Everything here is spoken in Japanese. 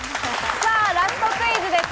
ラストクイズです。